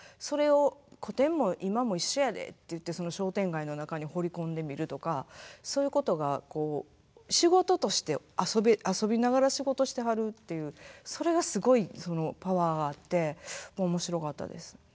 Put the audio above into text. それを「古典も今も一緒やで」って言ってその商店街の中に放り込んでみるとかそういうことがこう仕事として遊びながら仕事してはるっていうそれがすごいパワーがあって面白かったです。